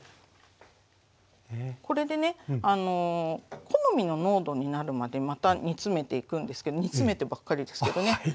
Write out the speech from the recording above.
これでね好みの濃度になるまでまた煮詰めていくんですけど煮詰めてばっかりですけどね。